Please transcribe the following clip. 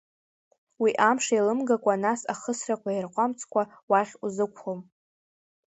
Уи амш еилымгакәа, нас ахысрақәа ирҟәамҵкәа уахь узықәлом.